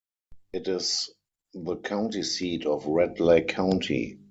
It is the county seat of Red Lake County.